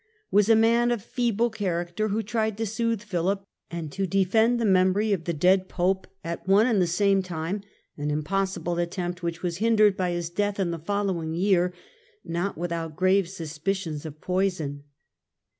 was a man of feeble character, who fsol^^^^ tried to sooth Philip and to defend the memory of the dead Pope at one and the same time ; an impossible attempt which was hindered by his death in the follow ing year, not without grave suspicions of poison.